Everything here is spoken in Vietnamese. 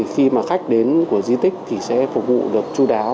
khi khách đến của di tích sẽ phục vụ được chú đáo